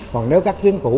còn nếu các tuyến cũ